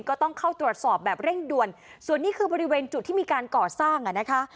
ก็ต้องเข้าตรวจสอบแบบเร่งด่วนส่วนนี้คือบริเวณจุดที่มีการก่อสร้างอ่ะนะคะ